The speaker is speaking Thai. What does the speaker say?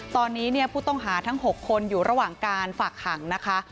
ตอนนี้เนี่ยผู้ต้องหาทั้ง๖คนอยู่ระหว่างการฝากขังนะคะ